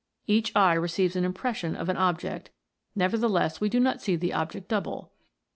Each eye re ceives an impression of an object, nevertheless we do not see the object double.